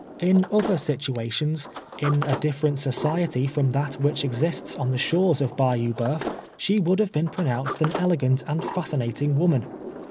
In other situations — in a ditrercut society" from that M'hich exists on the shores of Uayou Boeuf, she woukl have been pronounced an elegant and fascinatins: woman.